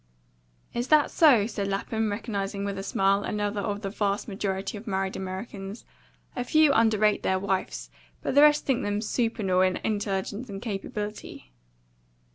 "Is that so?" said Lapham, recognising with a smile another of the vast majority of married Americans; a few underrate their wives, but the rest think them supernal in intelligence and capability.